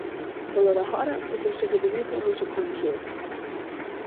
Polo de agora, o concello de Vigo non se pronunciou.